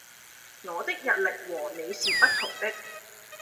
我的日曆和你是不同的！